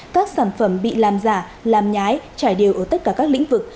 các sản phẩm bị làm giả làm nhái trải đều ở tất cả các lĩnh vực